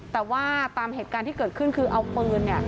แต่ว่าตามเหตุการณ์ที่เกิดขึ้นคือเอาปืนเนี่ย